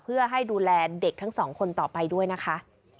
เพื่อให้ดูแลเด็กทั้งสองคนต่อไปด้วยนะคะ